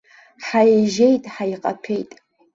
Ҳаижьеит, ҳаиҟаҭәеит.